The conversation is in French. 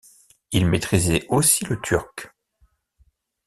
Il maîtrisait aussi le turc.